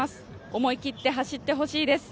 思い切って走ってほしいです。